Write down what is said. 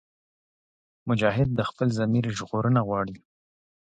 مجاهد د خپل ضمیر ژغورنه غواړي.